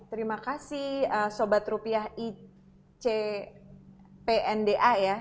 terima kasih sobat rupiah icpnda ya